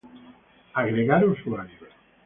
Agregar usuarios